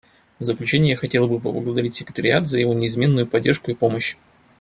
В заключение я хотела бы поблагодарить Секретариат за его неизменную поддержку и помощь.